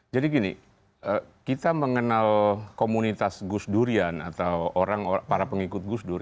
jadi gini kita mengenal komunitas gus durian atau orang para pengikut gus dur